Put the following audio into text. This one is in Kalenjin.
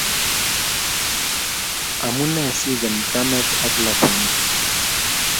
Amune siken kamet ak latwenyi